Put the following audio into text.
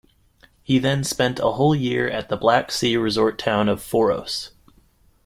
He then spent a whole year at the Black Sea resort town of Foros.